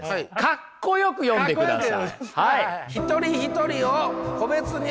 格好よく読んでください。